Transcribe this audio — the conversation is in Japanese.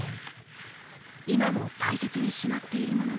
今も大切にしまっているものがある。